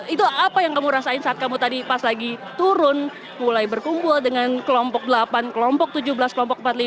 itu apa yang kamu rasain saat kamu tadi pas lagi turun mulai berkumpul dengan kelompok delapan kelompok tujuh belas kelompok empat puluh lima